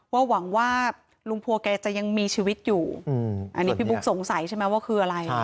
หวังว่าลุงพัวแกจะยังมีชีวิตอยู่อันนี้พี่บุ๊คสงสัยใช่ไหมว่าคืออะไร